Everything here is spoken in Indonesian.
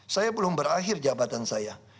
saya belum berakhir jabatan saya